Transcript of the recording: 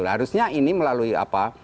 harusnya ini melalui apa